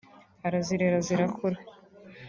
arazirera zirakura